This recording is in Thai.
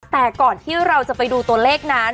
แต่ก่อนที่เราจะไปดูตัวเลขนั้น